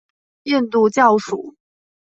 印度教属。